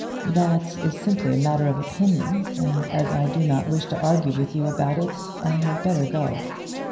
"That is simply a matter of opinion, and as I do not wish to argue with you about it, I had better go.